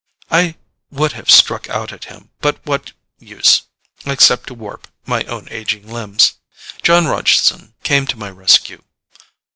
I would have struck out at him, but what use except to warp my own aging limbs. Jon Rogeson came to my rescue.